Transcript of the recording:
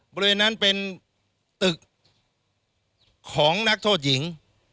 บริเวณนั้นเป็นตึกของนักโทษหญิง